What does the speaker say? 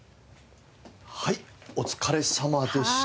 はいお疲れさまでした。